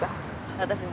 私も。